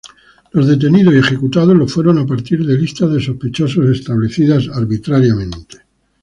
Los detenidos y ejecutados lo fueron a partir de listas de sospechosos establecidas arbitrariamente.